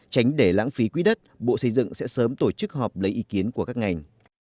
tránh để lãng phí quỹ đất bộ xây dựng sẽ sớm tổ chức họp lấy ý kiến của các ngành